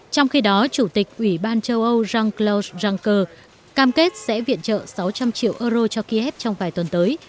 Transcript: trong khi đó chủ tịch ủy ban châu âu jean claude juncker cam kết sẽ viện trợ sáu trăm linh triệu euro cho kiev trong vài tuần tới